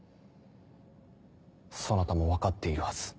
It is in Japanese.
そなたも分かっているはず。